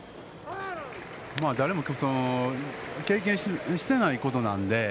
誰も経験してないことなんで。